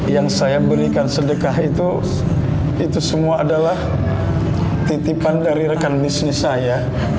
yang saya berikan sedekah itu itu semua adalah titipan dari rekan bisnis saya